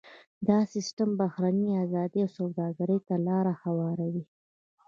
دا سیستم بهرنۍ ازادې سوداګرۍ ته لار هواروي.